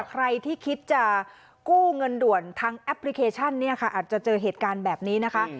ใครที่คิดจะกู้เงินด่วนทางแอปพลิเคชันเนี่ยค่ะอาจจะเจอเหตุการณ์แบบนี้นะคะ